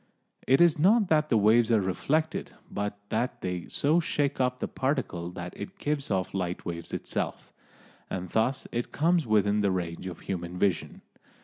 It is not that the waves are reflected, but that they so shake up the particle that it gives off light waves itself. And thus it comes within the range of human vision.